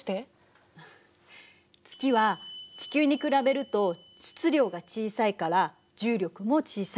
月は地球に比べると質量が小さいから重力も小さい。